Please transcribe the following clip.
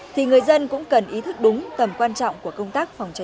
thì người dân cũng cần ý thức đúng tầm quan trọng của công tác phòng cháy